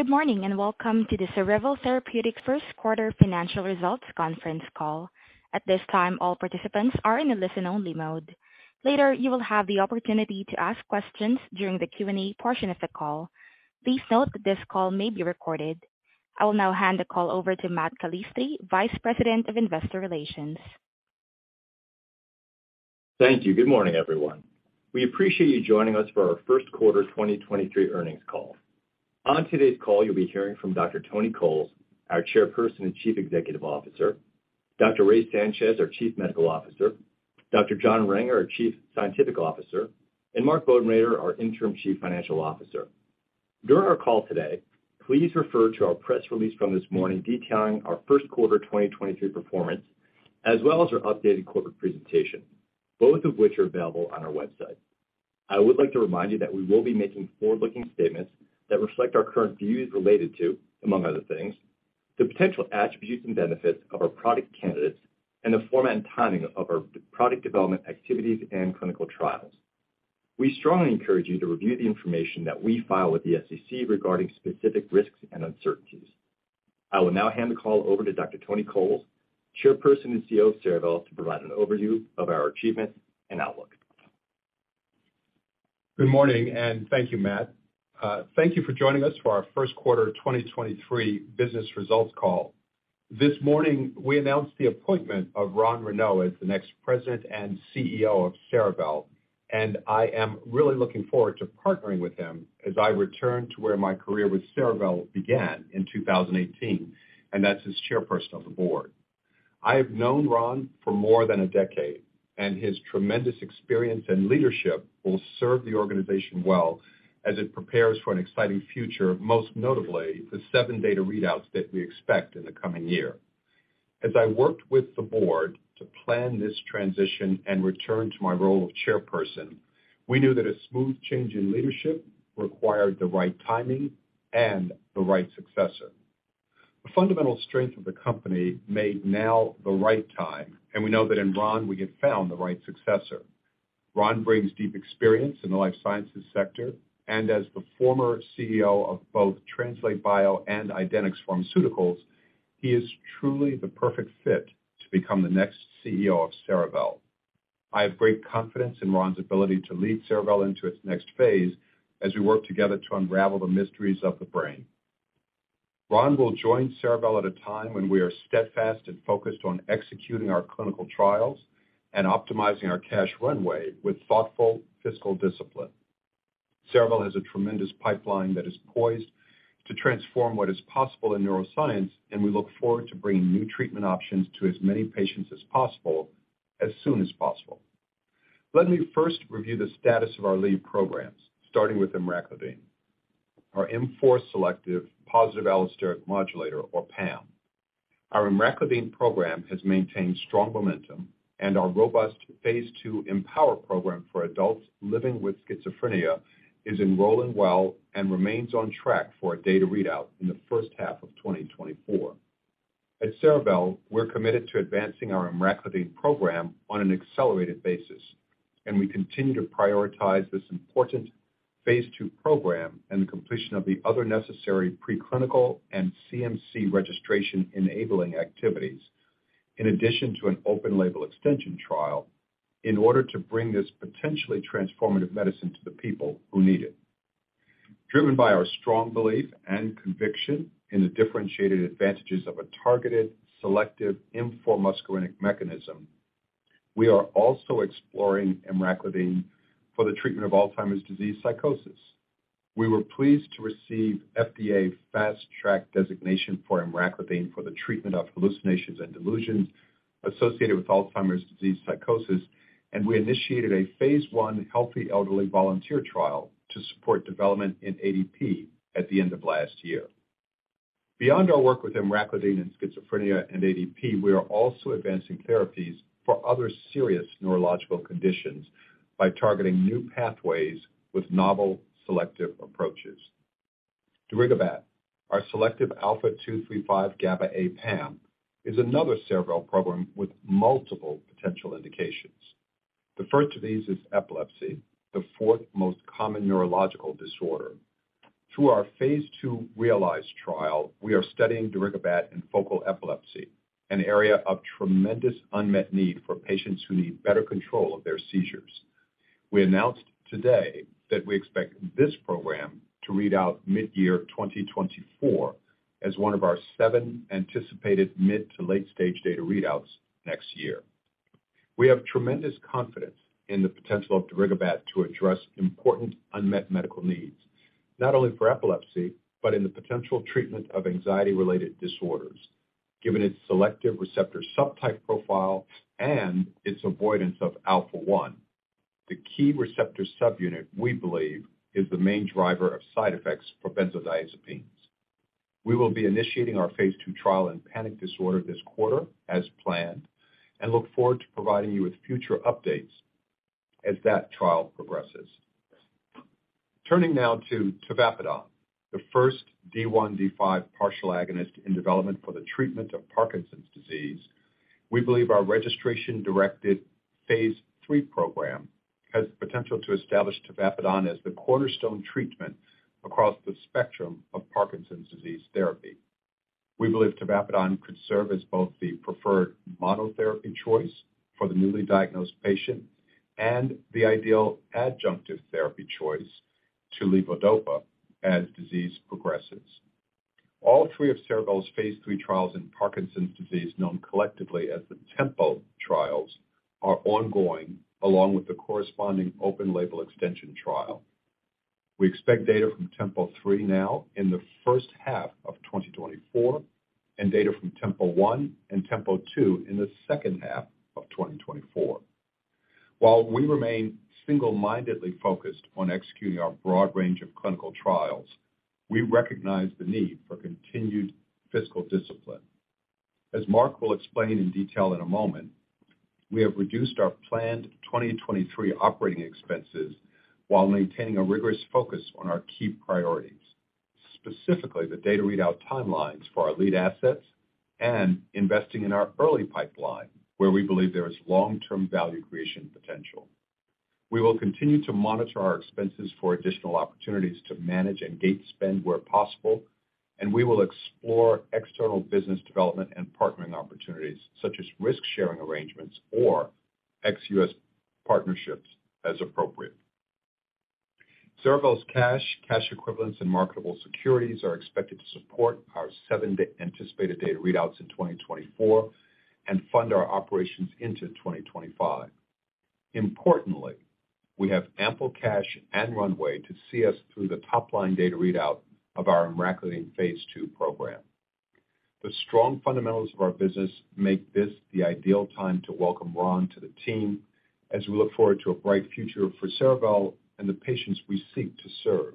Good morning, and welcome to the Cerevel Therapeutics Q1 financial results conference call. At this time, all participants are in a listen-only mode. Later, you will have the opportunity to ask questions during the Q&A portion of the call. Please note that this call may be recorded. I will now hand the call over to Matt Calistri, Vice President of Investor Relations. Thank you. Good morning, everyone. We appreciate you joining us for our Q1 2023 earnings call. On today's call, you'll be hearing from Dr. Tony Coles, our Chairperson and Chief Executive Officer, Dr. Raymond Sanchez, our Chief Medical Officer, Dr. John Renger, our Chief Scientific Officer, and Mark Bodenrader, our Interim Chief Financial Officer. During our call today, please refer to our press release from this morning detailing our Q1 2023 performance, as well as our updated corporate presentation, both of which are available on our website. I would like to remind you that we will be making forward-looking statements that reflect our current views related to, among other things, the potential attributes and benefits of our product candidates and the format and timing of our product development activities and clinical trials. We strongly encourage you to review the information that we file with the SEC regarding specific risks and uncertainties. I will now hand the call over to Dr. Tony Coles, Chairperson and CEO of Cerevel, to provide an overview of our achievements and outlook. Good morning, and thank you, Matt. Thank you for joining us for our Q1 2023 business results call. This morning, we announced the appointment of Ron Renaud as the next president and CEO of Cerevel, and I am really looking forward to partnering with him as I return to where my career with Cerevel began in 2018, and that's as chairperson of the board. I have known Ron for more than a decade, and his tremendous experience and leadership will serve the organization well as it prepares for an exciting future, most notably the seven data readouts that we expect in the coming year. As I worked with the board to plan this transition and return to my role of chairperson, we knew that a smooth change in leadership required the right timing and the right successor. The fundamental strength of the company made now the right time. We know that in Ron we have found the right successor. Ron brings deep experience in the life sciences sector. As the former CEO of both Translate Bio and Idenix Pharmaceuticals, he is truly the perfect fit to become the next CEO of Cerevel. I have great confidence in Ron's ability to lead Cerevel into its next phase as we work together to unravel the mysteries of the brain. Ron will join Cerevel at a time when we are steadfast and focused on executing our clinical trials and optimizing our cash runway with thoughtful fiscal discipline. Cerevel has a tremendous pipeline that is poised to transform what is possible in neuroscience. We look forward to bringing new treatment options to as many patients as possible as soon as possible. Let me first review the status of our lead programs, starting with emraclidine, our M4 selective positive allosteric modulator or PAM. Our emraclidine program has maintained strong momentum, and our robust phase II EMPOWER program for adults living with schizophrenia is enrolling well and remains on track for a data readout in the first half of 2024. At Cerevel, we're committed to advancing our emraclidine program on an accelerated basis, and we continue to prioritize this important phase II program and the completion of the other necessary preclinical and CMC registration-enabling activities, in addition to an open label extension trial, in order to bring this potentially transformative medicine to the people who need it. Driven by our strong belief and conviction in the differentiated advantages of a targeted, selective M4 muscarinic mechanism, we are also exploring emraclidine for the treatment of Alzheimer's disease psychosis. We were pleased to receive FDA Fast Track designation for emraclidine for the treatment of hallucinations and delusions associated with Alzheimer's disease psychosis. We initiated a phase I healthy elderly volunteer trial to support development in ADP at the end of last year. Beyond our work with emraclidine in schizophrenia and ADP, we are also advancing therapies for other serious neurological conditions by targeting new pathways with novel selective approaches. darigabat, our selective α2/3/5 GABAA PAM, is another Cerevel program with multiple potential indications. The first of these is epilepsy, the fourth most common neurological disorder. Through our phase II REALIZE trial, we are studying darigabat in focal epilepsy, an area of tremendous unmet need for patients who need better control of their seizures. We announced today that we expect this program to read out mid-year 2024 as one of our seven anticipated mid to late-stage data readouts next year. We have tremendous confidence in the potential of darigabat to address important unmet medical needs, not only for epilepsy, but in the potential treatment of anxiety-related disorders, given its selective receptor subtype profile and its avoidance of alpha-1, the key receptor subunit we believe is the main driver of side effects for benzodiazepines. We will be initiating our phase II trial in panic disorder this quarter as planned and look forward to providing you with future updates as that trial progresses. Turning now to tavapadon, the first D1/D5 partial agonist in development for the treatment of Parkinson's disease. We believe our registration-directed phase III program has potential to establish tavapadon as the cornerstone treatment across the spectrum of Parkinson's disease therapy. We believe tavapadon could serve as both the preferred monotherapy choice for the newly diagnosed patient and the ideal adjunctive therapy choice to levodopa as disease progresses. All three of Cerevel's phase III trials in Parkinson's disease, known collectively as the TEMPO trials, are ongoing, along with the corresponding open label extension trial. We expect data from TEMPO-3 now in the first half of 2024, and data from TEMPO-1 and TEMPO-2 in the second half of 2024. While we remain single-mindedly focused on executing our broad range of clinical trials, we recognize the need for continued fiscal discipline. As Mark will explain in detail in a moment, we have reduced our planned 2023 operating expenses while maintaining a rigorous focus on our key priorities, specifically the data readout timelines for our lead assets and investing in our early pipeline, where we believe there is long-term value creation potential. We will continue to monitor our expenses for additional opportunities to manage and gate spend where possible. We will explore external business development and partnering opportunities such as risk-sharing arrangements or ex-US partnerships as appropriate. Cerevel's cash equivalents, and marketable securities are expected to support our seven anticipated data readouts in 2024 and fund our operations into 2025. Importantly, we have ample cash and runway to see us through the top-line data readout of our emraclidine phase II program. The strong fundamentals of our business make this the ideal time to welcome Ron to the team as we look forward to a bright future for Cerevel and the patients we seek to serve.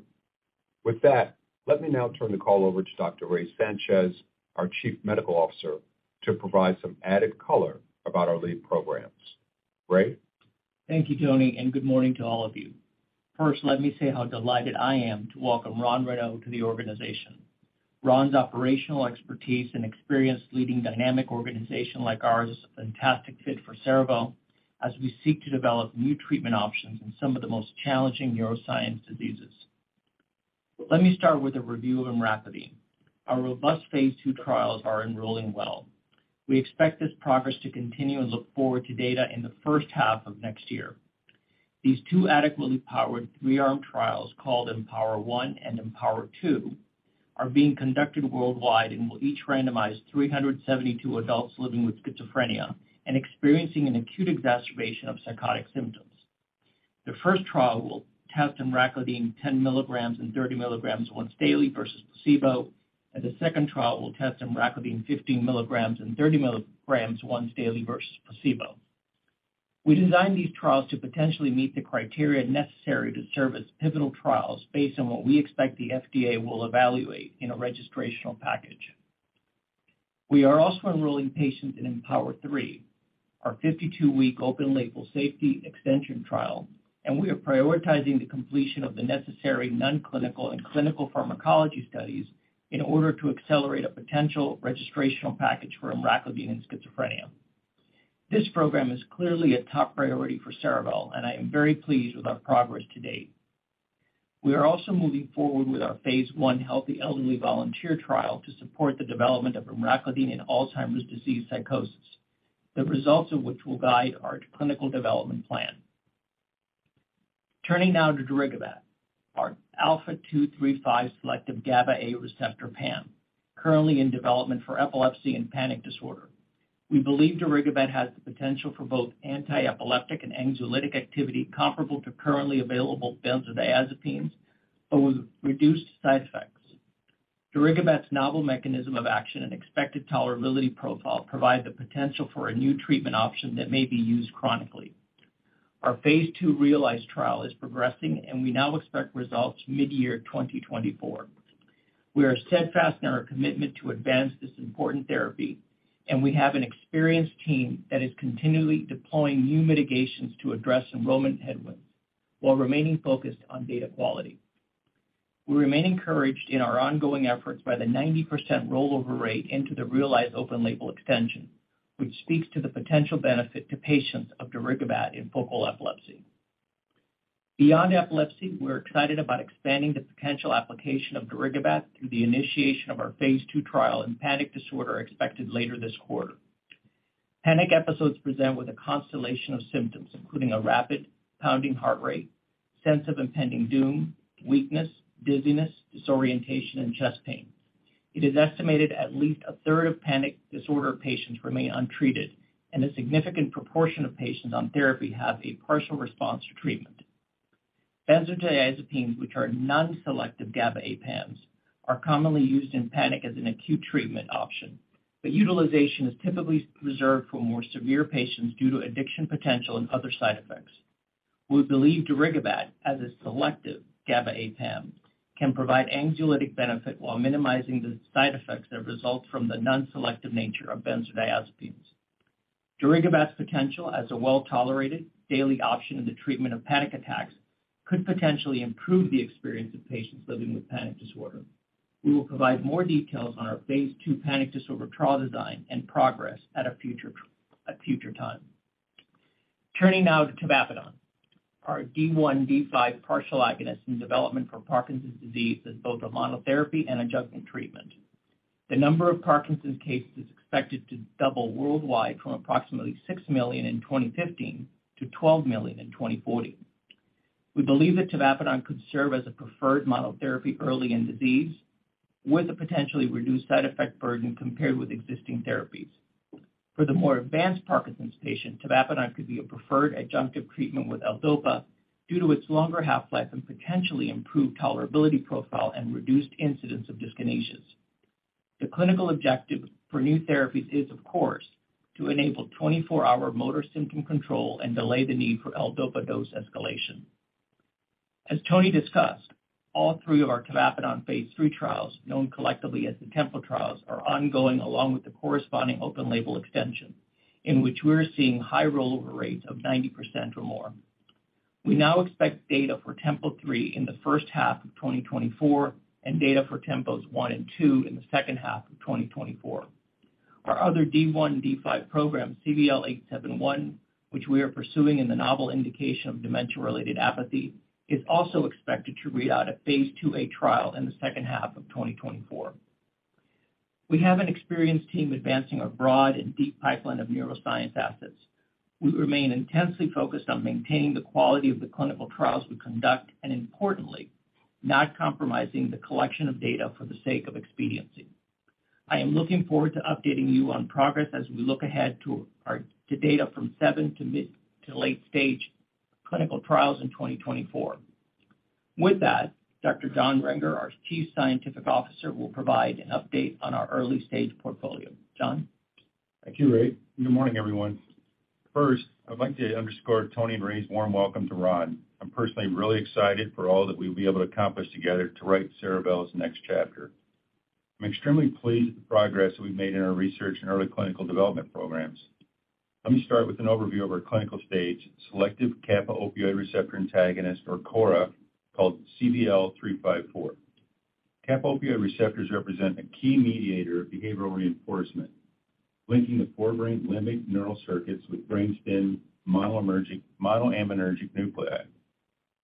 With that, let me now turn the call over to Dr. Ray Sanchez, our Chief Medical Officer, to provide some added color about our lead programs. Ray? Thank you, Tony. Good morning to all of you. First, let me say how delighted I am to welcome Ron Renaud to the organization. Ron's operational expertise and experience leading dynamic organization like ours is a fantastic fit for Cerevel as we seek to develop new treatment options in some of the most challenging neuroscience diseases. Let me start with a review of emraclidine. Our robust phase II trials are enrolling well. We expect this progress to continue and look forward to data in the first half of next year. These two adequately powered 3-arm trials, called EMPOWER-1 and EMPOWER-2, are being conducted worldwide and will each randomize 372 adults living with schizophrenia and experiencing an acute exacerbation of psychotic symptoms. The first trial will test emraclidine 10 mg and 30 mg once daily versus placebo, and the second trial will test emraclidine 15 mg and 30 mg once daily versus placebo. We designed these trials to potentially meet the criteria necessary to serve as pivotal trials based on what we expect the FDA will evaluate in a registrational package. We are also enrolling patients in EMPOWER-3, our 52-week open-label safety extension trial, and we are prioritizing the completion of the necessary non-clinical and clinical pharmacology studies in order to accelerate a potential registrational package for emraclidine in schizophrenia. This program is clearly a top priority for Cerevel, and I am very pleased with our progress to date. We are also moving forward with our phase I healthy elderly volunteer trial to support the development of emraclidine in Alzheimer's disease psychosis, the results of which will guide our clinical development plan. Turning now to darigabat, our α2/3/5 selective GABAA receptor PAM, currently in development for epilepsy and panic disorder. We believe darigabat has the potential for both anti-epileptic and anxiolytic activity comparable to currently available benzodiazepines, but with reduced side effects. Darigabat's novel mechanism of action and expected tolerability profile provide the potential for a new treatment option that may be used chronically. Our phase II REALIZE trial is progressing, and we now expect results mid-year 2024. We are steadfast in our commitment to advance this important therapy, and we have an experienced team that is continually deploying new mitigations to address enrollment headwinds while remaining focused on data quality. We remain encouraged in our ongoing efforts by the 90% rollover rate into the REALIZE open-label extension, which speaks to the potential benefit to patients of darigabat in focal epilepsy. Beyond epilepsy, we're excited about expanding the potential application of darigabat through the initiation of our phase II trial in panic disorder expected later this quarter. Panic episodes present with a constellation of symptoms, including a rapid pounding heart rate, sense of impending doom, weakness, dizziness, disorientation, and chest pain. It is estimated at least a third of panic disorder patients remain untreated, a significant proportion of patients on therapy have a partial response to treatment. Benzodiazepines, which are non-selective GABA A PAMs, are commonly used in panic as an acute treatment option, utilization is typically reserved for more severe patients due to addiction potential and other side effects. We believe darigabat as a selective GABA-A PAM can provide anxiolytic benefit while minimizing the side effects that result from the non-selective nature of benzodiazepines. Darigabat's potential as a well-tolerated daily option in the treatment of panic attacks could potentially improve the experience of patients living with panic disorder. We will provide more details on our phase II panic disorder trial design and progress at a future time. Turning now to tavapadon, our D1/D5 partial agonist in development for Parkinson's disease as both a monotherapy and adjunctive treatment. The number of Parkinson's cases is expected to double worldwide from approximately 6 million in 2015 to 12 million in 2040. We believe that tavapadon could serve as a preferred monotherapy early in disease with a potentially reduced side effect burden compared with existing therapies. For the more advanced Parkinson's patient, tavapadon could be a preferred adjunctive treatment with L-DOPA due to its longer half-life and potentially improved tolerability profile and reduced incidence of dyskinesias. The clinical objective for new therapies is, of course, to enable 24-hour motor symptom control and delay the need for L-DOPA dose escalation. As Tony discussed, all 3 of our tavapadon phase III trials, known collectively as the TEMPO trials, are ongoing along with the corresponding open label extension, in which we're seeing high rollover rates of 90% or more. We now expect data for TEMPO-3 in the first half of 2024 and data for TEMPOs 1 and 2 in the second half of 2024. Our other D1/D5 program, CVL-871, which we are pursuing in the novel indication of dementia-related apathy, is also expected to read out a phase II-A trial in the second half of 2024. We have an experienced team advancing a broad and deep pipeline of neuroscience assets. We remain intensely focused on maintaining the quality of the clinical trials we conduct, and importantly, not compromising the collection of data for the sake of expediency. I am looking forward to updating you on progress as we look ahead to data from seven mid- to late-stage clinical trials in 2024. With that, Dr. John Renger, our Chief Scientific Officer, will provide an update on our early-stage portfolio. John? Thank you, Ray. Good morning, everyone. First, I'd like to underscore Tony and Ray's warm welcome to Ron. I'm personally really excited for all that we'll be able to accomplish together to write Cerevel's next chapter. I'm extremely pleased with the progress that we've made in our research and early clinical development programs. Let me start with an overview of our clinical-stage selective kappa-opioid receptor antagonist, or KORA, called CVL-354. Kappa-opioid receptors represent a key mediator of behavioral reinforcement, linking the forebrain limbic neural circuits with brainstem monoaminergic nuclei.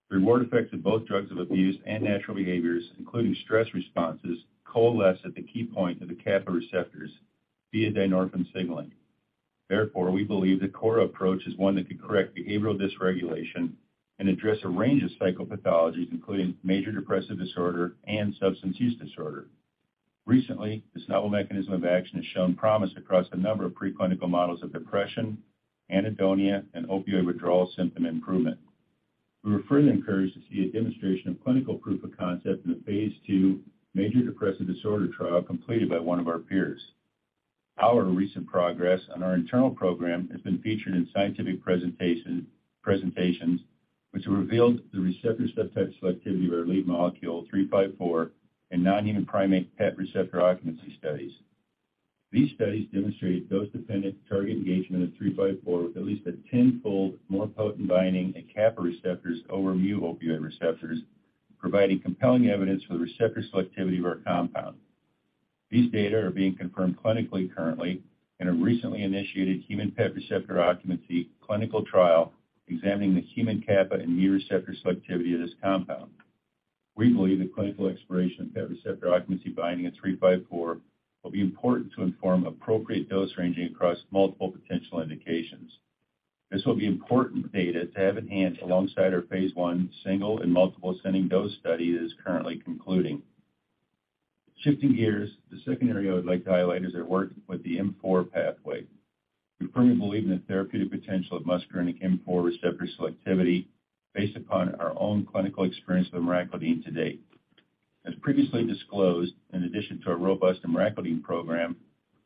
The reward effects of both drugs of abuse and natural behaviors, including stress responses, coalesce at the key point of the kappa receptors via dynorphin signaling. Therefore, we believe the KORA approach is one that could correct behavioral dysregulation and address a range of psychopathologies, including major depressive disorder and substance use disorder. Recently, this novel mechanism of action has shown promise across a number of preclinical models of depression, anhedonia, and opioid withdrawal symptom improvement. We were further encouraged to see a demonstration of clinical proof of concept in the phase II major depressive disorder trial completed by one of our peers. Our recent progress on our internal program has been featured in scientific presentations which revealed the receptor subtype selectivity of our lead molecule, 354, in non-human primate PET receptor occupancy studies. These studies demonstrated dose-dependent target engagement of 354, with at least a 10-fold more potent binding at kappa receptors over mu opioid receptors, providing compelling evidence for the receptor selectivity of our compound. These data are being confirmed clinically currently in a recently initiated human PET receptor occupancy clinical trial examining the human kappa and mu receptor selectivity of this compound. We believe the clinical exploration of PET receptor occupancy binding at CVL-354 will be important to inform appropriate dose ranging across multiple potential indications. This will be important data to have at hand alongside our phase I single and multiple ascending dose study that is currently concluding. Shifting gears, the second area I would like to highlight is our work with the M4 pathway. We firmly believe in the therapeutic potential of muscarinic M4 receptor selectivity based upon our own clinical experience with emraclidine to date. As previously disclosed, in addition to our robust emraclidine program,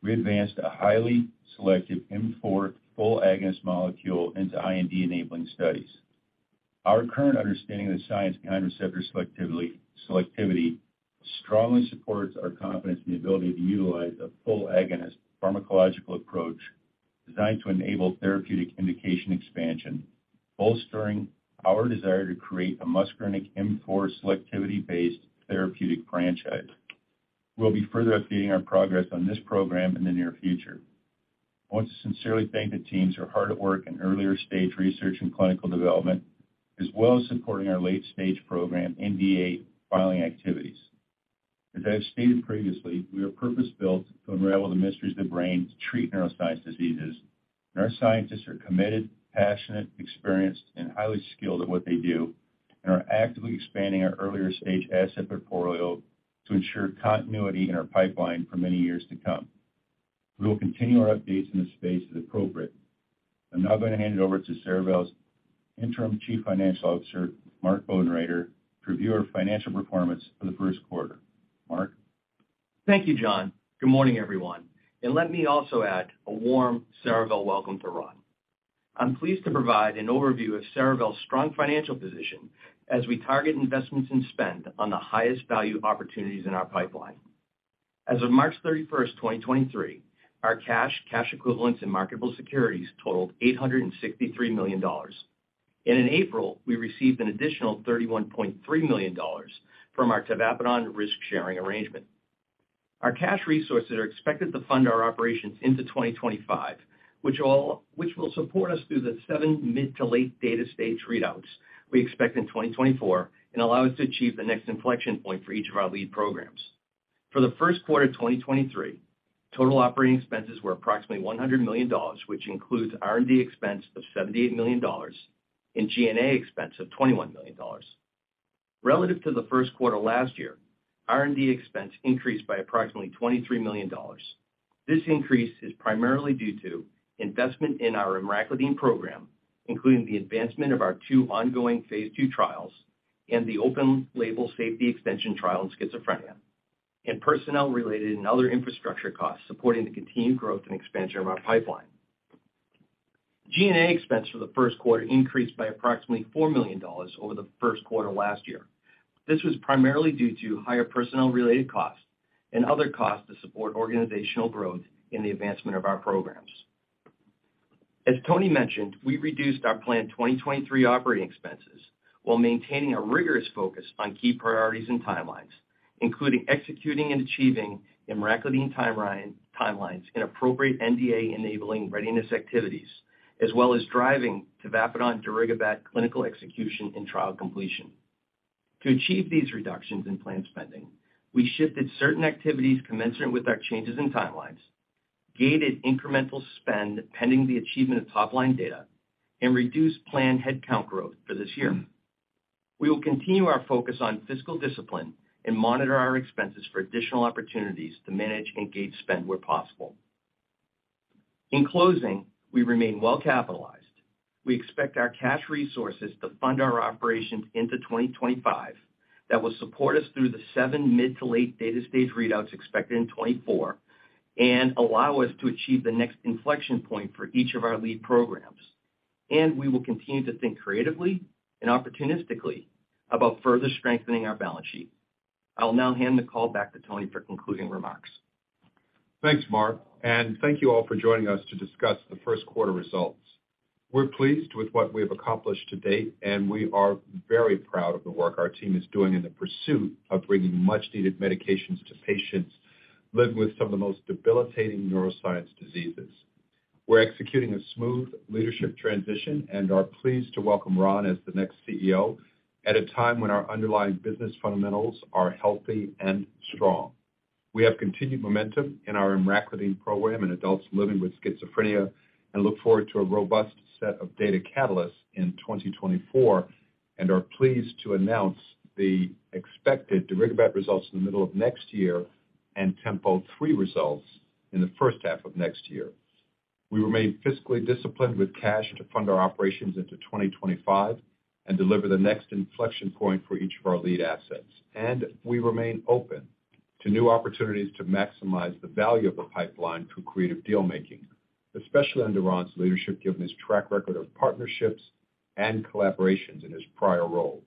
we advanced a highly selective M4 full agonist molecule into IND-enabling studies. Our current understanding of the science behind receptor selectivity strongly supports our confidence in the ability to utilize a full agonist pharmacological approach designed to enable therapeutic indication expansion, bolstering our desire to create a muscarinic M4 selectivity-based therapeutic franchise. We'll be further updating our progress on this program in the near future. I want to sincerely thank the teams who are hard at work in earlier stage research and clinical development, as well as supporting our late-stage program NDA filing activities. As I've stated previously, we are purpose-built to unravel the mysteries of the brain to treat neuroscience diseases. Our scientists are committed, passionate, experienced, and highly skilled at what they do and are actively expanding our earlier stage asset portfolio to ensure continuity in our pipeline for many years to come. We will continue our updates in this space as appropriate. I'm now going to hand it over to Cerevel's Interim Chief Financial Officer, Mark Bodenrader, to review our financial performance for Q1. Mark? Thank you, John. Good morning, everyone. Let me also add a warm Cerevel welcome to Ron. I'm pleased to provide an overview of Cerevel's strong financial position as we target investments and spend on the highest value opportunities in our pipeline. As of March 31, 2023, our cash equivalents in marketable securities totaled $863 million. In April, we received an additional $31.3 million from our tavapadon risk-sharing arrangement. Our cash resources are expected to fund our operations into 2025, which will support us through the seven mid to late data stage readouts we expect in 2024 and allow us to achieve the next inflection point for each of our lead programs. For Q1 of 2023, total operating expenses were approximately $100 million, which includes R&D expense of $78 million and G&A expense of $21 million. Relative to Q1 last year, R&D expense increased by approximately $23 million. This increase is primarily due to investment in our emraclidine program, including the advancement of our two ongoing phase II trials and the open-label safety extension trial in schizophrenia and personnel related and other infrastructure costs supporting the continued growth and expansion of our pipeline. G&A expense for Q1 increased by approximately $4 million over Q1 last year. This was primarily due to higher personnel related costs and other costs to support organizational growth in the advancement of our programs. As Tony mentioned, we reduced our planned 2023 operating expenses while maintaining a rigorous focus on key priorities and timelines, including executing and achieving emraclidine timeline, timelines and appropriate NDA-enabling readiness activities, as well as driving tavapadon and darigabat clinical execution and trial completion. To achieve these reductions in planned spending, we shifted certain activities commensurate with our changes in timelines, gated incremental spend pending the achievement of top-line data, and reduced planned headcount growth for this year. We will continue our focus on fiscal discipline and monitor our expenses for additional opportunities to manage and gauge spend where possible. In closing, we remain well capitalized. We expect our cash resources to fund our operations into 2025 that will support us through the seven mid to late data stage readouts expected in 2024 and allow us to achieve the next inflection point for each of our lead programs. We will continue to think creatively and opportunistically about further strengthening our balance sheet. I will now hand the call back to Tony for concluding remarks. Thanks, Mark. Thank you all for joining us to discuss Q1 results. We're pleased with what we've accomplished to date. We are very proud of the work our team is doing in the pursuit of bringing much needed medications to patients living with some of the most debilitating neuroscience diseases. We're executing a smooth leadership transition and are pleased to welcome Ron as the next CEO at a time when our underlying business fundamentals are healthy and strong. We have continued momentum in our emraclidine program in adults living with schizophrenia and look forward to a robust set of data catalysts in 2024, and are pleased to announce the expected darigabat results in the middle of next year and TEMPO-3 results in the first half of next year. We remain fiscally disciplined with cash to fund our operations into 2025 and deliver the next inflection point for each of our lead assets. We remain open to new opportunities to maximize the value of the pipeline through creative deal making, especially under Ron's leadership, given his track record of partnerships and collaborations in his prior roles.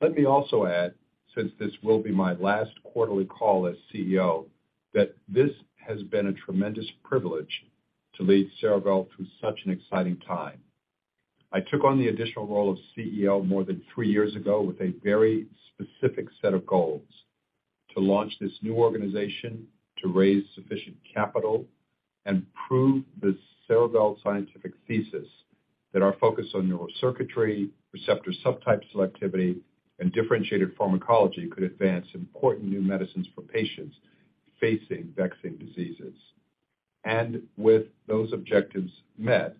Let me also add, since this will be my last quarterly call as CEO, that this has been a tremendous privilege to lead Cerevel through such an exciting time. I took on the additional role of CEO more than three years ago with a very specific set of goals: to launch this new organization, to raise sufficient capital, and prove the Cerevel scientific thesis that our focus on neural circuitry, receptor subtype selectivity, and differentiated pharmacology could advance important new medicines for patients facing vexing diseases. With those objectives met,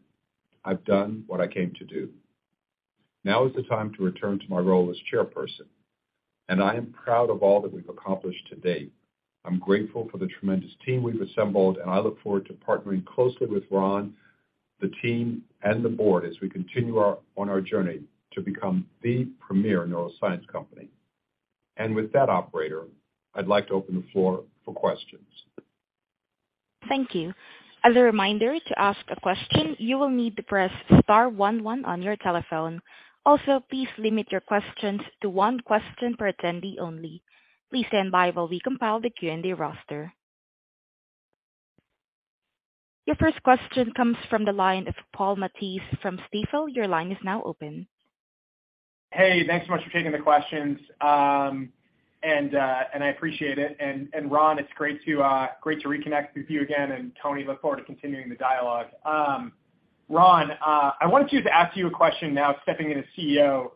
I've done what I came to do. Now is the time to return to my role as Chairperson, and I am proud of all that we've accomplished to date. I'm grateful for the tremendous team we've assembled, and I look forward to partnering closely with Ron, the team, and the board as we continue on our journey to become the premier neuroscience company. With that operator, I'd like to open the floor for questions. Thank you. As a reminder, to ask a question, you will need to press star one one on your telephone. Also, please limit your questions to one question per attendee only. Please stand by while we compile the Q&A roster. Your first question comes from the line of Paul Matteis from Stifel. Your line is now open. Hey, thanks so much for taking the questions. I appreciate it. Ron, it's great to reconnect with you again, and Tony, look forward to continuing the dialogue. Ron, I wanted to ask you a question now stepping in as CEO.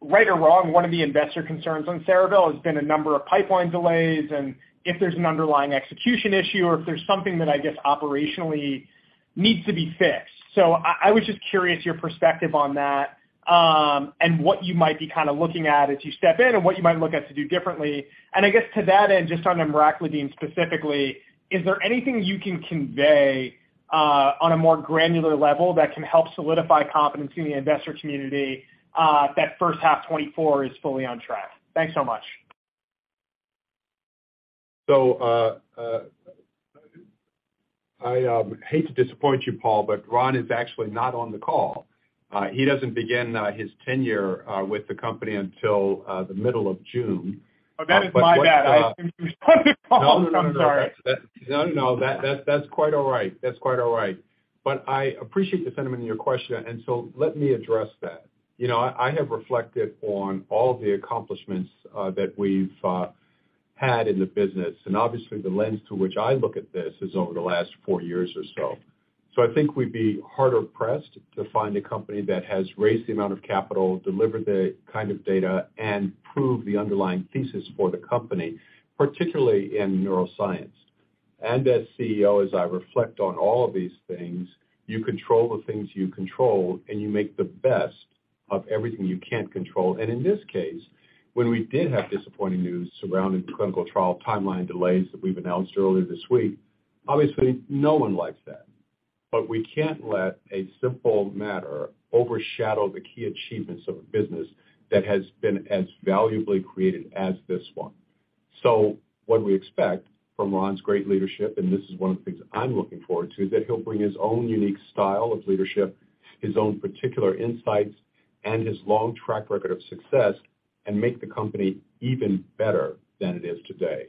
Right or wrong, one of the investor concerns on Cerevel has been a number of pipeline delays, and if there's an underlying execution issue or if there's something that I guess operationally needs to be fixed. I was just curious your perspective on that, and what you might be kind of looking at as you step in and what you might look at to do differently. I guess to that end, just on emraclidine specifically, is there anything you can convey on a more granular level that can help solidify confidence in the investor community that first half 2024 is fully on track? Thanks so much. I hate to disappoint you, Paul, but Ron is actually not on the call. He doesn't begin his tenure with the company until the middle of June. Oh, that is my bad. I assumed he was on the call. I'm sorry. No, no. That's quite all right. That's quite all right. I appreciate the sentiment in your question, let me address that. You know, I have reflected on all the accomplishments that we've had in the business, and obviously the lens to which I look at this is over the last four years or so. I think we'd be hard-pressed to find a company that has raised the amount of capital, delivered the kind of data, and proved the underlying thesis for the company, particularly in neuroscience. As CEO, as I reflect on all of these things, you control the things you control, and you make the best of everything you can't control. In this case, when we did have disappointing news surrounding clinical trial timeline delays that we've announced earlier this week, obviously no one likes that. We can't let a simple matter overshadow the key achievements of a business that has been as valuably created as this one. What we expect from Ron's great leadership, and this is one of the things I'm looking forward to, is that he'll bring his own unique style of leadership, his own particular insights, and his long track record of success, and make the company even better than it is today.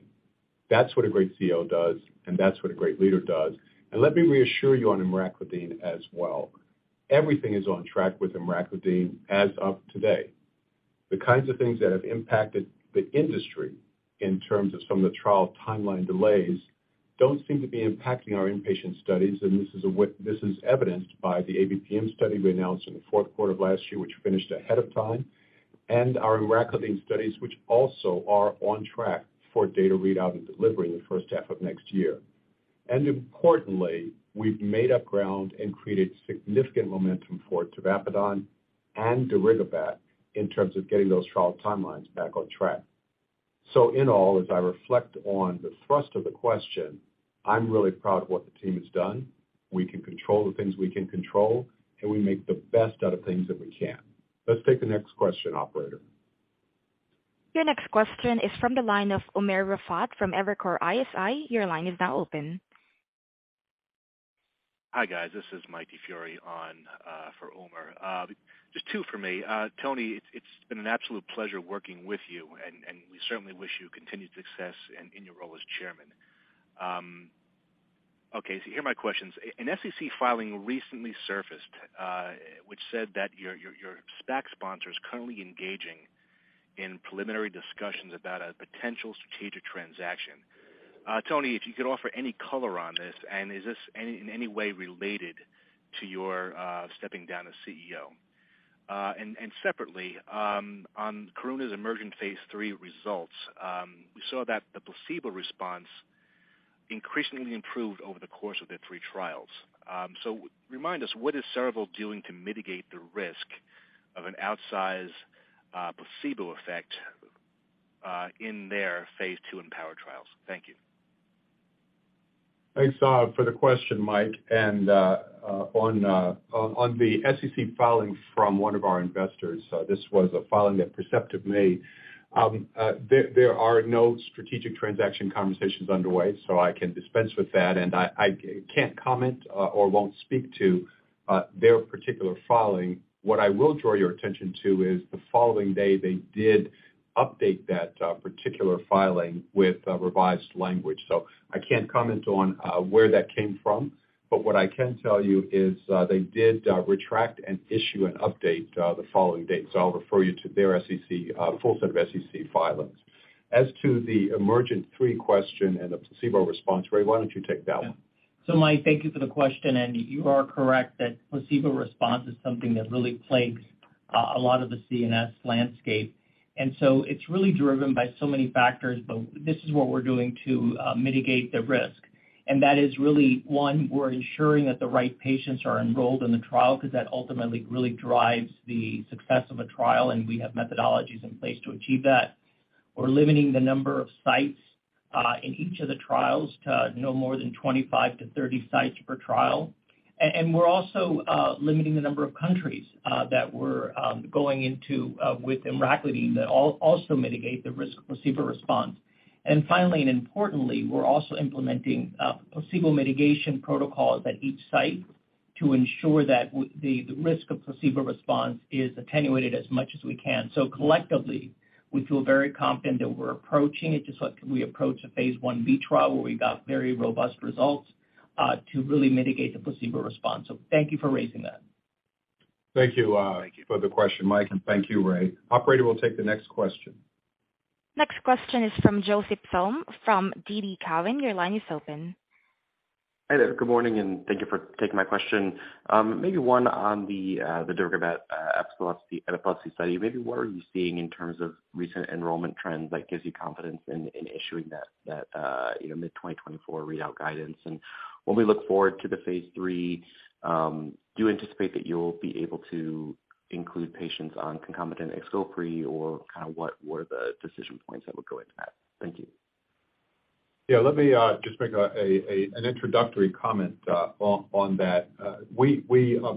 That's what a great CEO does, and that's what a great leader does. Let me reassure you on emraclidine as well. Everything is on track with emraclidine as of today. The kinds of things that have impacted the industry in terms of some of the trial timeline delays don't seem to be impacting our inpatient studies, and this is evidenced by the ABPM study we announced in Q4 of last year, which finished ahead of time, and our emraclidine studies, which also are on track for data readout and delivery in the first half of next year. Importantly, we've made up ground and created significant momentum for tavapadon and darigabat in terms of getting those trial timelines back on track. In all, as I reflect on the thrust of the question, I'm really proud of what the team has done. We can control the things we can control, and we make the best out of things that we can. Let's take the next question, operator. Your next question is from the line of Umer Raffat from Evercore ISI. Your line is now open. Hi, guys. This is Mike DiFiore on for Umer. Just two for me. Tony, it's been an absolute pleasure working with you, and we certainly wish you continued success in your role as Chairman. Okay, here are my questions. An SEC filing recently surfaced, which said that your SPAC sponsor is currently engaging in preliminary discussions about a potential strategic transaction. Tony, if you could offer any color on this, and is this in any way related to your stepping down as CEO? Separately, on Karuna's EMERGENT phase III results, we saw that the placebo response increasingly improved over the course of their 3 trials. Remind us, what is Cerevel doing to mitigate the risk of an outsized placebo effect in their phase II EMPOWER trials? Thank you. Thanks for the question, Mike. On the SEC filing from one of our investors, this was a filing that Perceptive made. There are no strategic transaction conversations underway, so I can dispense with that. I can't comment or won't speak to their particular filing. What I will draw your attention to is the following day, they did update that particular filing with revised language. I can't comment on where that came from, but what I can tell you is they did retract and issue an update the following day. I'll refer you to their SEC full set of SEC filings. As to the EMERGENT-3 question and the placebo response, Ray, why don't you take that one? Mike, thank you for the question. You are correct that placebo response is something that really plagues a lot of the CNS landscape. It's really driven by so many factors, but this is what we're doing to mitigate the risk. That is really, one, we're ensuring that the right patients are enrolled in the trial because that ultimately really drives the success of a trial, and we have methodologies in place to achieve that. We're limiting the number of sites in each of the trials to no more than 25 to 30 sites per trial. We're also limiting the number of countries that we're going into with emraclidine that also mitigate the risk of placebo response. Finally and importantly, we're also implementing placebo mitigation protocols at each site to ensure that the risk of placebo response is attenuated as much as we can. Collectively, we feel very confident that we're approaching it just like we approached a phase I-B trial where we got very robust results to really mitigate the placebo response. Thank you for raising that. Thank you, for the question, Mike, and thank you, Ray. Operator, we'll take the next question. Next question is from Joseph Thome from TD Cowen. Your line is open. Hi there. Good morning, and thank you for taking my question. Maybe one on the darigabat epilepsy study. Maybe what are you seeing in terms of recent enrollment trends that gives you confidence in issuing that, you know, mid-2024 readout guidance? When we look forward to the phase III, do you anticipate that you'll be able to include patients on concomitant Xeplion or kind of what were the decision points that would go into that? Thank you. Yeah, let me just make an introductory comment on that. We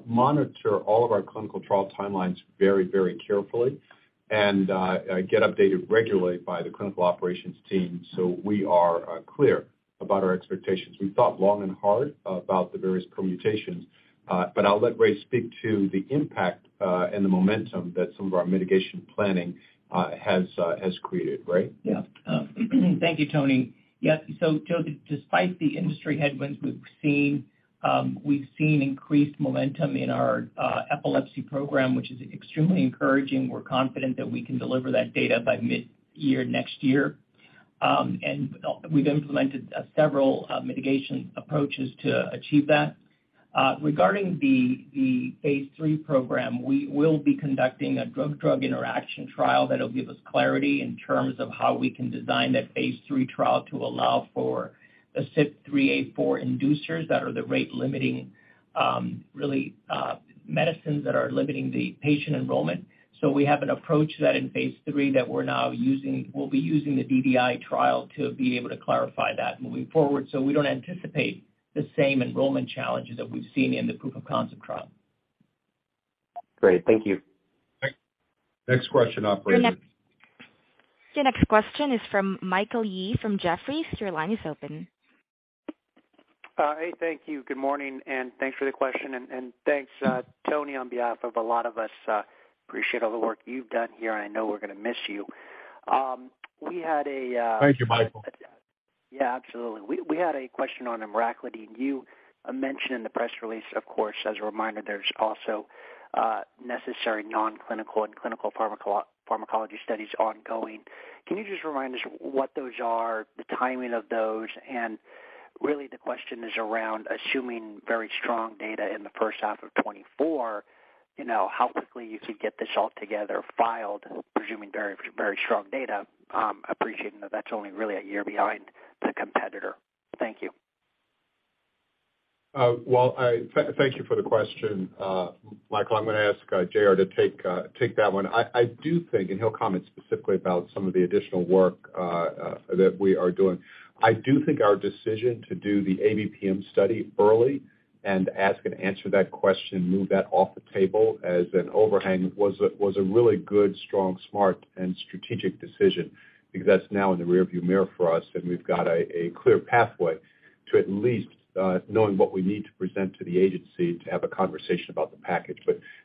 monitor all of our clinical trial timelines very carefully and get updated regularly by the clinical operations team, so we are clear about our expectations. We've thought long and hard about the various permutations, but I'll let Ray speak to the impact and the momentum that some of our mitigation planning has created. Ray? Yeah. Thank you, Tony. Yes. Tony, despite the industry headwinds we've seen, we've seen increased momentum in our epilepsy program, which is extremely encouraging. We're confident that we can deliver that data by mid-year next year. We've implemented several mitigation approaches to achieve that. Regarding the phase III program, we will be conducting a drug-drug interaction trial that'll give us clarity in terms of how we can design that phase III trial to allow for the CYP3A4 inducers that are the rate limiting, really, medicines that are limiting the patient enrollment. We have an approach that in phase III that we're now using. We'll be using the DDI trial to be able to clarify that moving forward, we don't anticipate the same enrollment challenges that we've seen in the proof of concept trial. Great. Thank you. Next question, operator. The next question is from Michael Yee from Jefferies. Your line is open. Hey, thank you. Good morning, and thanks for the question. Thanks, Tony, on behalf of a lot of us, appreciate all the work you've done here, and I know we're gonna miss you. We had a Thank you, Michael. Yeah, absolutely. We had a question on emraclidine. You mentioned in the press release, of course, as a reminder, there's also necessary non-clinical and clinical pharmacology studies ongoing. Can you just remind us what those are, the timing of those? Really the question is around assuming very strong data in the first half of 2024, you know, how quickly you could get this all together filed, presuming very strong data, appreciating that that's only really a year behind the competitor. Thank you. Well, thank you for the question, Michael. I'm gonna ask J.R. to take that one. I do think, and he'll comment specifically about some of the additional work that we are doing. I do think our decision to do the ABPM study early and ask and answer that question, move that off the table as an overhang was a really good, strong, smart, and strategic decision because that's now in the rearview mirror for us, and we've got a clear pathway to at least knowing what we need to present to the agency to have a conversation about the package.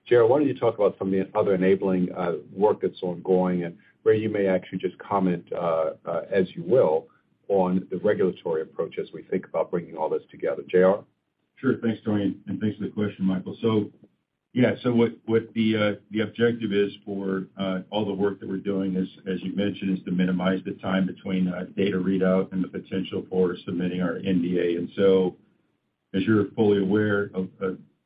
J.R., why don't you talk about some of the other enabling work that's ongoing? Ray, you may actually just comment, as you will on the regulatory approach as we think about bringing all this together. J.R.? Sure. Thanks, Tony, and thanks for the question, Michael. Yeah, what the objective is for all the work that we're doing as you mentioned, is to minimize the time between data readout and the potential for submitting our NDA. As you're fully aware of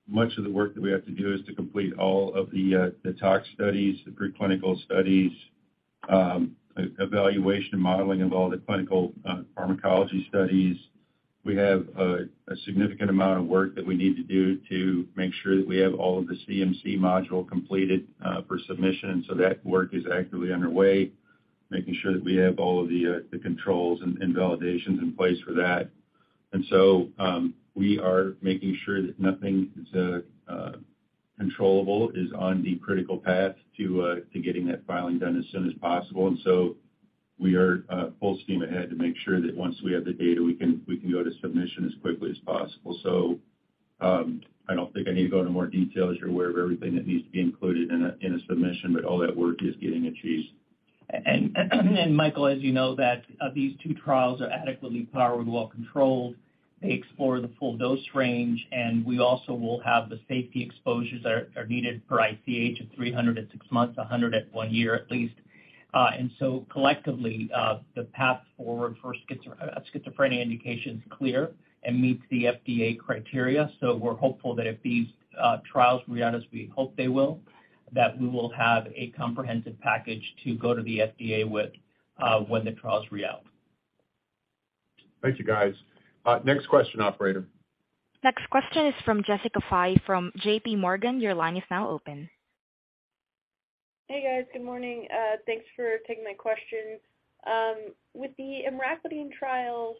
much of the work that we have to do is to complete all of the tox studies, the preclinical studies, evaluation and modeling of all the clinical pharmacology studies. We have a significant amount of work that we need to do to make sure that we have all of the CMC module completed for submission, so that work is actively underway, making sure that we have all of the controls and validations in place for that. We are making sure that nothing that's controllable is on the critical path to getting that filing done as soon as possible. We are full steam ahead to make sure that once we have the data, we can go to submission as quickly as possible. I don't think I need to go into more detail as you're aware of everything that needs to be included in a, in a submission, but all that work is getting achieved. Michael, as you know, that these two trials are adequately powered and well controlled. They explore the full dose range, and we also will have the safety exposures that are needed for ICH at 300 at six months, 100 at one year at least. Collectively, the path forward for schizophrenia indication is clear and meets the FDA criteria. We're hopeful that if these trials read out as we hope they will, that we will have a comprehensive package to go to the FDA with when the trials read out. Thank you, guys. Next question, operator. Next question is from Jessica Fye from JPMorgan. Your line is now open. Hey, guys. Good morning. Thanks for taking my question. With the emraclidine trials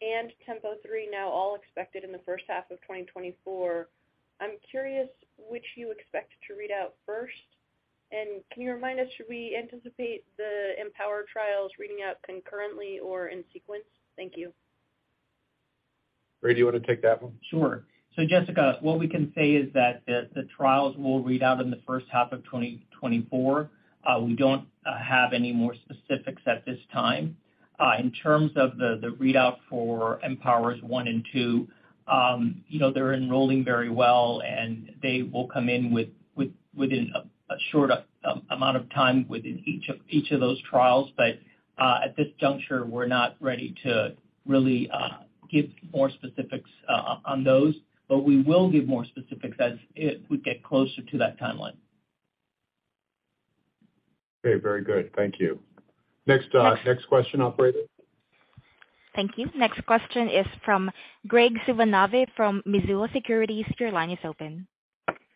and TEMPO-3 now all expected in the first half of 2024, I'm curious which you expect to read out first. Can you remind us, should we anticipate the EMPOWER trials reading out concurrently or in sequence? Thank you. Ray, do you wanna take that one? Sure. Jessica, what we can say is that the trials will read out in the first half of 2024. We don't have any more specifics at this time. In terms of the readout for EMPOWER-1 and EMPOWER-2, you know, they're enrolling very well, and they will come in within a short amount of time within each of those trials. At this juncture, we're not ready to really give more specifics on those. We will give more specifics as it would get closer to that timeline. Okay, very good. Thank you. Next, next question, operator. Thank you. Next question is from Graig Suvannavejh from Mizuho Securities. Your line is open.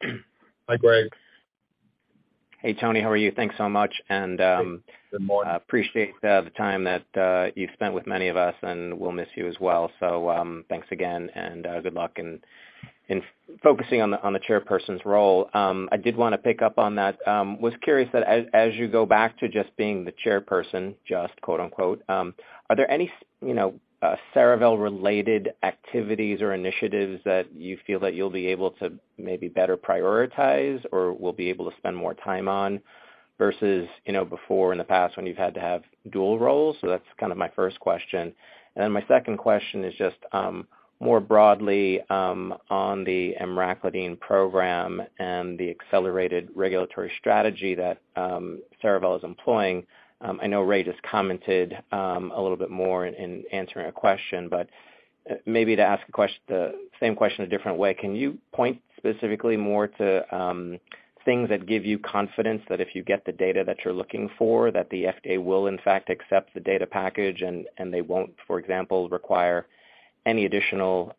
Hi, Graig. Hey, Tony, how are you? Thanks so much. Good morning.... appreciate the time that you've spent with many of us, and we'll miss you as well. Thanks again and good luck. Focusing on the chairperson's role, I did wanna pick up on that. Was curious that as you go back to just being the chairperson, just quote-unquote, are there any you know, Cerevel related activities or initiatives that you feel that you'll be able to maybe better prioritize or will be able to spend more time on versus, you know, before in the past when you've had to have dual roles? That's kind of my first question. My second question is just, more broadly, on the emraclidine program and the accelerated regulatory strategy that Cerevel is employing. I know Ray just commented, a little bit more in answering a question, but maybe to ask the same question a different way. Can you point specifically more to, things that give you confidence that if you get the data that you're looking for, that the FDA will in fact accept the data package and they won't, for example, require any additional,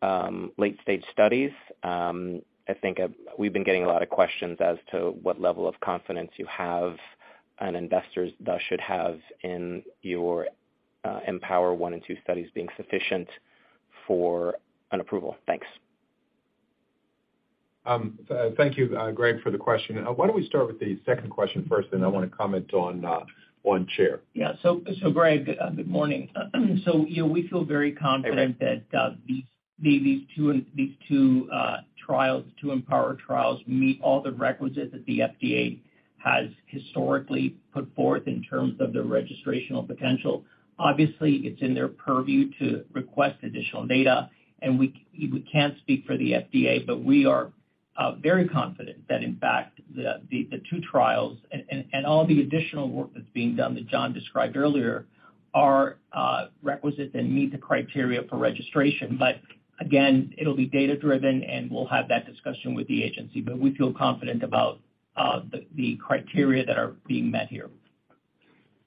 late-stage studies? I think we've been getting a lot of questions as to what level of confidence you have and investors thus should have in your EMPOWER-1 and 2 studies being sufficient for an approval. Thanks. Thank you, Graig, for the question. Why don't we start with the second question first, and I wanna comment on Chair. Yeah. Graig, good morning. you know, we feel very confident. Hey, Ray.... that these two trials, two EMPOWER trials meet all the requisites that the FDA has historically put forth in terms of their registrational potential. Obviously, it's in their purview to request additional data, and we can't speak for the FDA, but we are very confident that in fact the two trials and all the additional work that's being done that John described earlier are requisite and meet the criteria for registration. Again, it'll be data driven, and we'll have that discussion with the agency. We feel confident about the criteria that are being met here.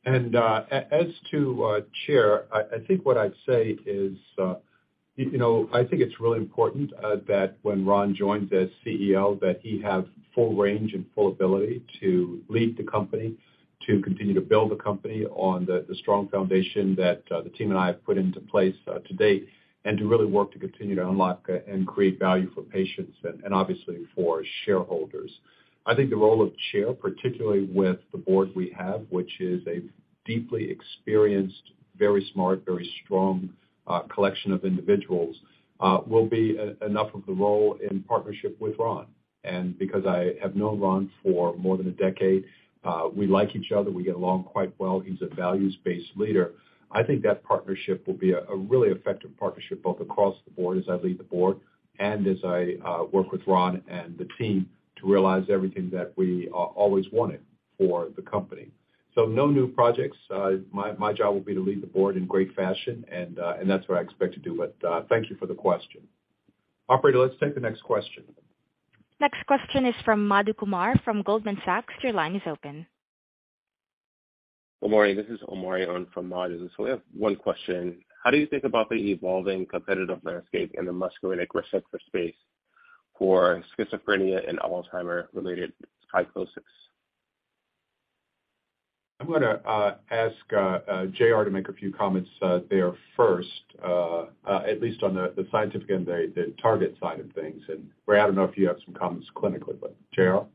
As to chair, I think what I'd say is, you know, I think it's really important that when Ron joins as CEO that he have full range and full ability to lead the company, to continue to build the company on the strong foundation that the team and I have put into place to date, and to really work to continue to unlock and create value for patients and obviously for shareholders. I think the role of chair, particularly with the board we have, which is a deeply experienced, very smart, very strong collection of individuals, will be enough of the role in partnership with Ron. Because I have known Ron for more than a decade, we like each other. We get along quite well. He's a values-based leader. I think that partnership will be a really effective partnership both across the board as I lead the board and as I work with Ron and the team to realize everything that we always wanted for the company. No new projects. My job will be to lead the board in great fashion and that's what I expect to do. Thank you for the question. Operator, let's take the next question. Next question is from Madhu Kumar from Goldman Sachs. Your line is open. Good morning. This is Omari on for Madhu. We have one question. How do you think about the evolving competitive landscape in the muscarinic receptor space for schizophrenia and Alzheimer-related psychosis? I'm gonna ask J.R. to make a few comments there first at least on the scientific and the target side of things. Ray, I don't know if you have some comments clinically, but J.R.?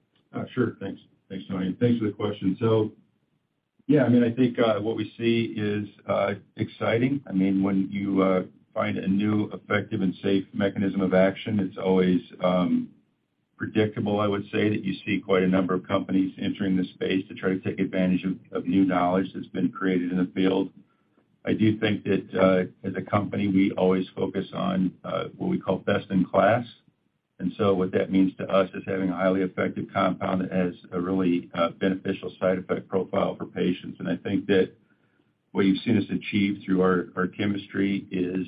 Sure. Thanks. Thanks, Tony. Thanks for the question. Yeah, I mean, I think, what we see is exciting. I mean, when you find a new effective and safe mechanism of action, it's always predictable, I would say, that you see quite a number of companies entering the space to try to take advantage of new knowledge that's been created in the field. I do think that, as a company, we always focus on what we call best in class. What that means to us is having a highly effective compound that has a really beneficial side effect profile for patients. I think that what you've seen us achieve through our chemistry is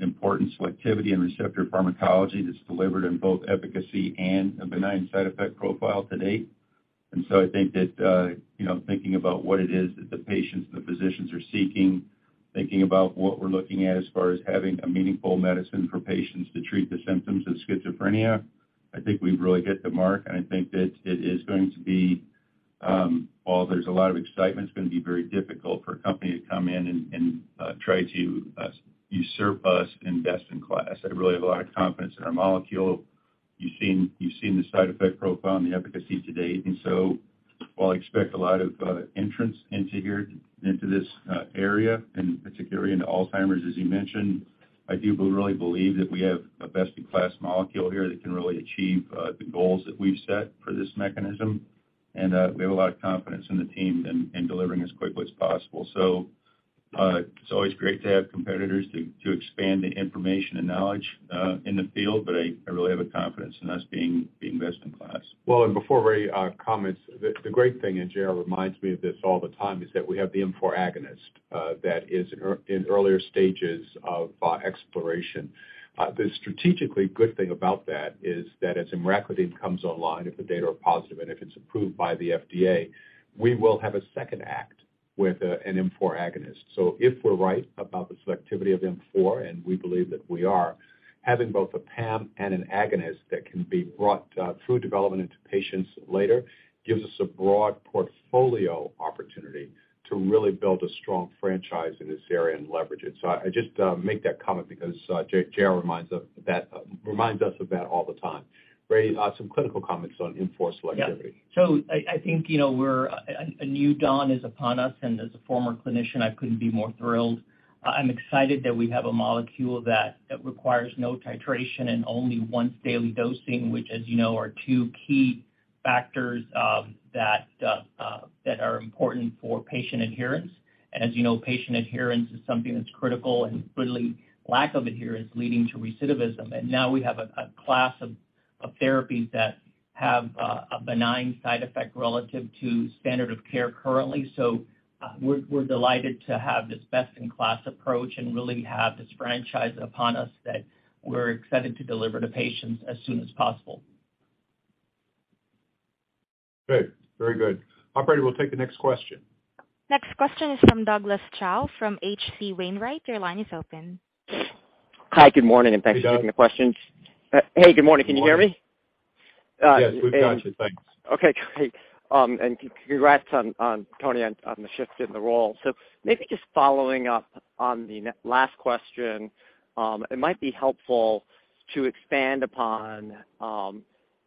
important selectivity and receptor pharmacology that's delivered in both efficacy and a benign side effect profile to date. I think that, you know, thinking about what it is that the patients and the physicians are seeking, thinking about what we're looking at as far as having a meaningful medicine for patients to treat the symptoms of schizophrenia, I think we really hit the mark. I think that it is going to be, while there's a lot of excitement, it's gonna be very difficult for a company to come in and try to usurp us in best in class. I really have a lot of confidence in our molecule. You've seen the side effect profile and the efficacy to date. While I expect a lot of entrants into here, into this area, and particularly into Alzheimer's, as you mentioned, I really believe that we have a best in class molecule here that can really achieve the goals that we've set for this mechanism. We have a lot of confidence in the team in delivering as quickly as possible. So It's always great to have competitors to expand the information and knowledge in the field, but I really have a confidence in us being the best in class. Before Ray comments, the great thing, and JR reminds me of this all the time, is that we have the M4 agonist that is in earlier stages of exploration. The strategically good thing about that is that as emraclidine comes online, if the data are positive and if it's approved by the FDA, we will have a second act with an M4 agonist. If we're right about the selectivity of M4, and we believe that we are, having both a PAM and an agonist that can be brought through development into patients later gives us a broad portfolio opportunity to really build a strong franchise in this area and leverage it. I just make that comment because JR reminds us of that all the time. Ray, some clinical comments on M4 selectivity. A new dawn is upon us, and as a former clinician, I couldn't be more thrilled. I'm excited that we have a molecule that requires no titration and only once-daily dosing, which, as you know, are two key factors that are important for patient adherence. As you know, patient adherence is something that's critical and really lack of adherence leading to recidivism. Now we have a class of therapies that have a benign side effect relative to standard of care currently. We're delighted to have this best-in-class approach and really have this franchise upon us that we're excited to deliver to patients as soon as possible. Good. Very good. Operator, we'll take the next question. Next question is from Douglas Tsao from H.C. Wainwright. Your line is open. Hi, good morning, and thanks for taking the questions. Hey, Doug. Hey, good morning. Can you hear me? Good morning. Uh, we've- Yes, we've got you. Thanks. Okay, great. Congrats on Tony, on the shift in the role. Maybe just following up on the last question, it might be helpful to expand upon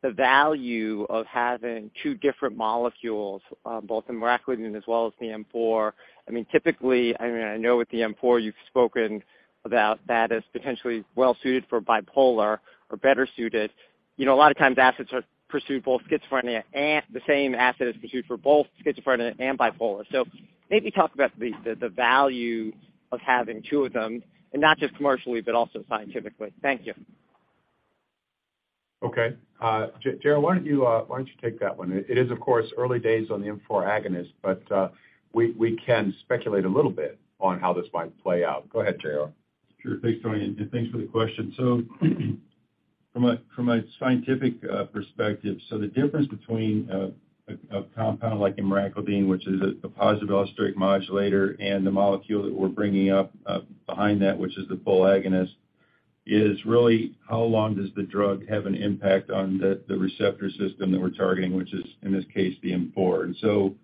the value of having two different molecules, both emraclidine as well as the M4. I mean, typically, I mean, I know with the M4, you've spoken about that as potentially well suited for bipolar or better suited. You know, a lot of times assets are pursued both schizophrenia and the same asset is pursued for both schizophrenia and bipolar. Maybe talk about the value of having two of them, and not just commercially, but also scientifically. Thank you. Okay. J.R., why don't you, why don't you take that one? It is of course, early days on the M4 agonist, but we can speculate a little bit on how this might play out. Go ahead, J.R. Sure. Thanks, Tony, and thanks for the question. From a scientific perspective, the difference between a compound like emraclidine, which is a positive allosteric modulator, and the molecule that we're bringing up behind that, which is the full agonist, is really how long does the drug have an impact on the receptor system that we're targeting, which is in this case, the M4.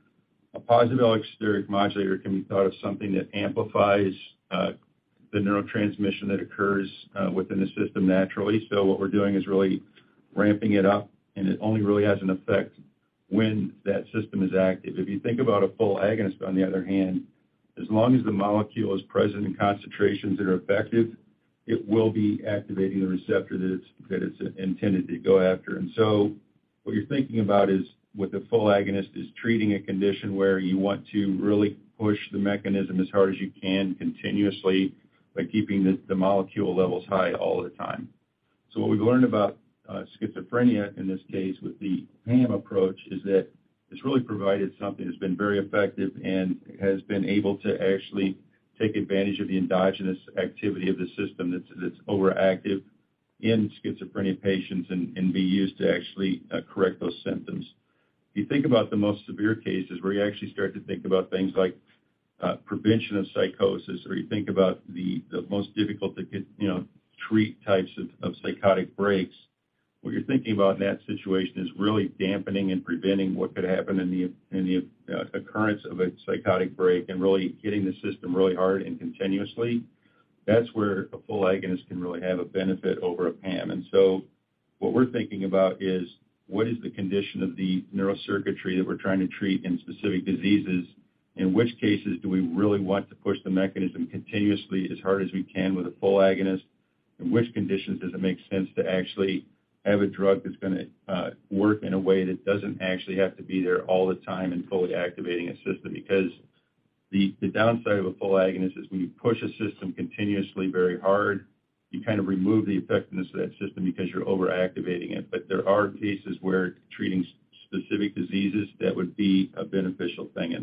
A positive allosteric modulator can be thought of something that amplifies the neurotransmission that occurs within the system naturally. What we're doing is really ramping it up, and it only really has an effect when that system is active. If you think about a full agonist, on the other hand, as long as the molecule is present in concentrations that are effective, it will be activating the receptor that it's intended to go after. What you're thinking about is with a full agonist is treating a condition where you want to really push the mechanism as hard as you can continuously by keeping the molecule levels high all the time. What we've learned about schizophrenia in this case with the PAM approach is that it's really provided something that's been very effective and has been able to actually take advantage of the endogenous activity of the system that's overactive in schizophrenia patients and be used to actually correct those symptoms. If you think about the most severe cases where you actually start to think about things like, prevention of psychosis or you think about the most difficult to get, you know, treat types of psychotic breaks, what you're thinking about in that situation is really dampening and preventing what could happen in the, in the, occurrence of a psychotic break and really hitting the system really hard and continuously. That's where a full agonist can really have a benefit over a PAM. What we're thinking about is what is the condition of the neural circuitry that we're trying to treat in specific diseases? In which cases do we really want to push the mechanism continuously as hard as we can with a full agonist? In which conditions does it make sense to actually have a drug that's gonna work in a way that doesn't actually have to be there all the time and fully activating a system? Because the downside of a full agonist is when you push a system continuously very hard, you kind of remove the effectiveness of that system because you're overactivating it. There are cases where treating specific diseases, that would be a beneficial thing.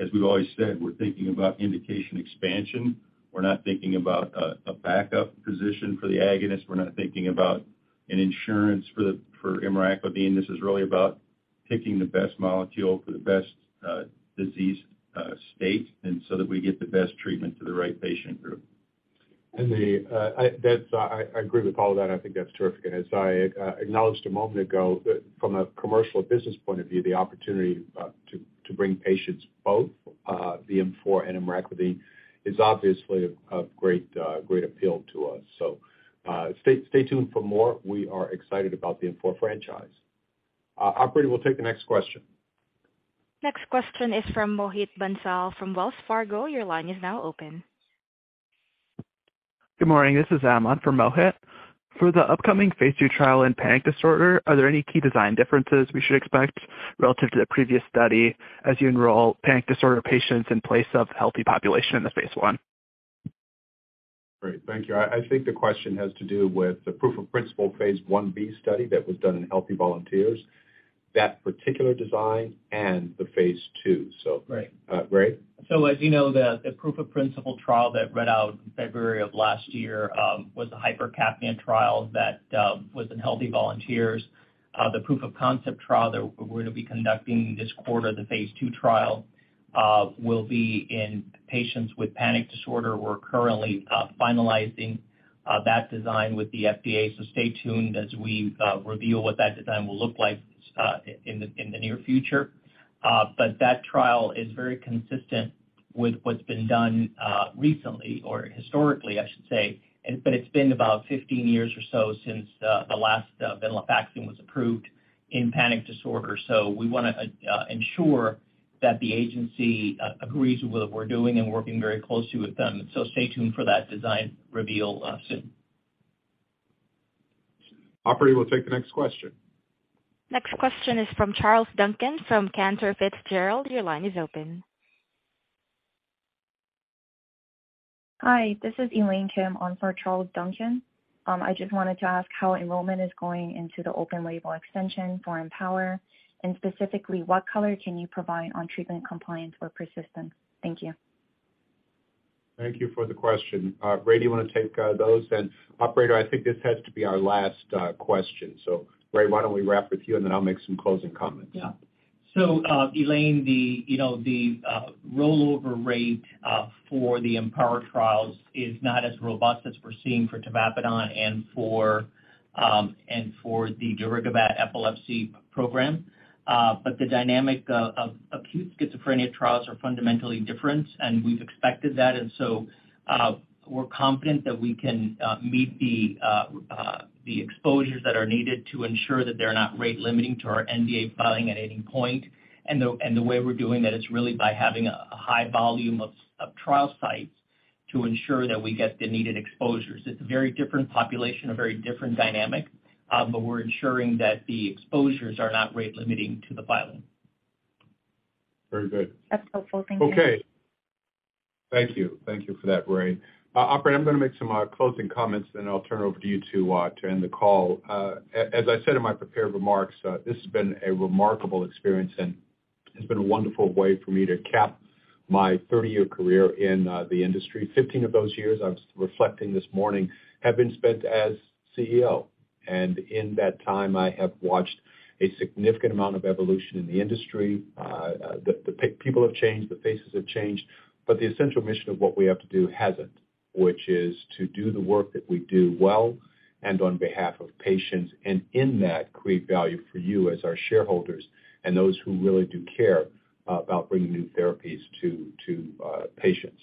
As we've always said, we're thinking about indication expansion. We're not thinking about a backup position for the agonist. We're not thinking about an insurance for emraclidine. This is really about picking the best molecule for the best disease state, and so that we get the best treatment to the right patient group. That's, I agree with all that. I think that's terrific. As I acknowledged a moment ago that from a commercial business point of view, the opportunity to bring patients both the M4 and emraclidine is obviously of great appeal to us. Stay tuned for more. We are excited about the M4 franchise. Operator, we'll take the next question. Next question is from Mohit Bansal from Wells Fargo. Your line is now open. Good morning. This is Amon for Mohit. For the upcoming phase II trial in panic disorder, are there any key design differences we should expect relative to the previous study as you enroll panic disorder patients in place of healthy population in the phase I? Great. Thank you. I think the question has to do with the proof of principle phase 1-B study that was done in healthy volunteers, that particular design and the phase II. Right. Ray? As you know, the proof of principle trial that read out in February of last year was a hypercapnia trial that was in healthy volunteers. The proof of concept trial that we're gonna be conducting this quarter, the phase II trial, will be in patients with panic disorder. We're currently finalizing that design with the FDA, stay tuned as we reveal what that design will look like in the near future. That trial is very consistent with what's been done recently or historically, I should say. It's been about 15 years or so since the last venlafaxine was approved in panic disorder. We wanna ensure that the agency agrees with what we're doing and working very closely with them. Stay tuned for that design reveal soon. Operator, we'll take the next question. Next question is from Charles Duncan from Cantor Fitzgerald. Your line is open. Hi. This is Elaine Kim on for Charles Duncan. I just wanted to ask how enrollment is going into the open label extension for EMPOWER, and specifically, what color can you provide on treatment compliance or persistence? Thank you. Thank you for the question. Ray, do you wanna take those? Operator, I think this has to be our last question. Ray, why don't we wrap with you, and then I'll make some closing comments. Yeah. Elaine, you know, the rollover rate for the EMPOWER trials is not as robust as we're seeing for tavapadon and for the darigabat epilepsy program. The dynamic of acute schizophrenia trials are fundamentally different, and we've expected that. We're confident that we can meet the exposures that are needed to ensure that they're not rate limiting to our NDA filing at any point. The way we're doing that is really by having a high volume of trial sites to ensure that we get the needed exposures. It's a very different population, a very different dynamic, we're ensuring that the exposures are not rate limiting to the filing. Very good. That's helpful. Thank you. Okay. Thank you. Thank you for that, Ray. Operator, I'm gonna make some closing comments, and I'll turn it over to you to end the call. As I said in my prepared remarks, this has been a remarkable experience, and it's been a wonderful way for me to cap my 30-year career in the industry. 15 of those years, I was reflecting this morning, have been spent as CEO. In that time, I have watched a significant amount of evolution in the industry. The people have changed, the faces have changed, but the essential mission of what we have to do hasn't, which is to do the work that we do well and on behalf of patients, and in that, create value for you as our shareholders and those who really do care about bringing new therapies to patients.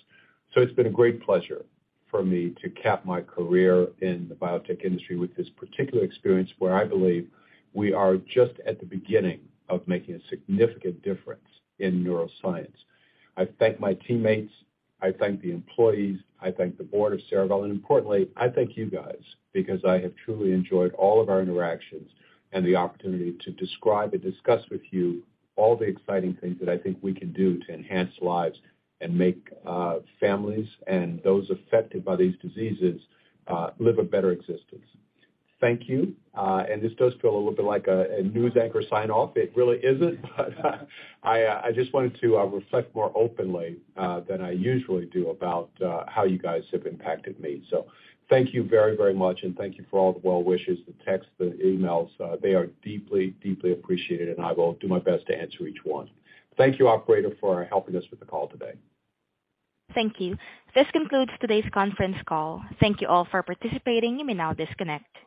It's been a great pleasure for me to cap my career in the biotech industry with this particular experience where I believe we are just at the beginning of making a significant difference in neuroscience. I thank my teammates, I thank the employees, I thank the board of Cerevel, and importantly, I thank you guys because I have truly enjoyed all of our interactions and the opportunity to describe and discuss with you all the exciting things that I think we can do to enhance lives and make families and those affected by these diseases live a better existence. Thank you. This does feel a little bit like a news anchor sign off. It really isn't, but I just wanted to reflect more openly than I usually do about how you guys have impacted me. Thank you very, very much, and thank you for all the well wishes, the texts, the emails. They are deeply appreciated, and I will do my best to answer each one. Thank you, Operator, for helping us with the call today. Thank you. This concludes today's conference call. Thank you all for participating. You may now disconnect.